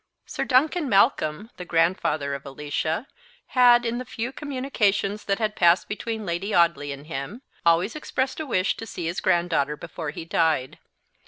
Sir Duncan Malcolm, the grandfather of Alicia, had, in the few communications that had passed between Lady Audley and him, always expressed a wish to see his granddaughter before he died.